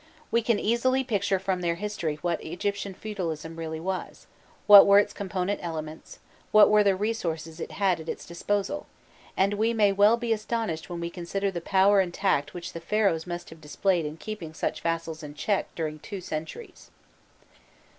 We can easily picture from their history what Egyptian feudalism really was, what were its component elements, what were the resources it had at its disposal, and we may well be astonished when we consider the power and tact which the Pharaohs must have displayed in keeping such vassals in check during two centuries.